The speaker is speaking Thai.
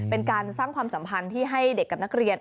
เป็นการสร้างความสัมพันธ์ที่ให้เด็กกับนักเรียน